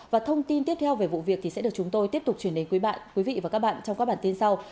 và thông tin tiếp theo về vụ việc thì sẽ được chúng tôi tiếp tục truyền đến quý bạn quý vị và các bạn trong các bản tin sau